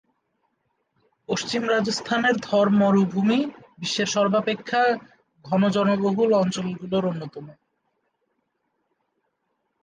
পশ্চিম রাজস্থানের থর মরুভূমি বিশ্বের সর্বাপেক্ষা ঘন জনবহুল অঞ্চলগুলির অন্যতম।